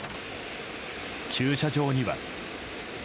駐車場には。